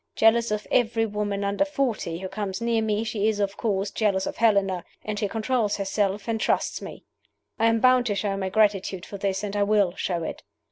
Jealous of every woman under forty who comes near me, she is, of course, jealous of Helena and she controls herself, and trusts me! "I am bound to show my gratitude for this and I will show it.